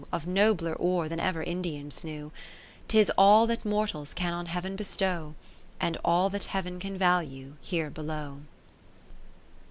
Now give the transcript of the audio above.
Of nobler ore than ever Indians knew ; 'Tis all that mortals can on Heav'n bestow. And all that Heav'n can val^ie here below.